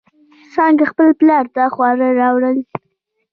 څانگې خپل پلار ته خواړه راوړل.